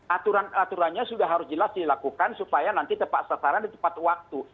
aturan aturannya sudah harus jelas dilakukan supaya nanti tepat sasaran dan tepat waktu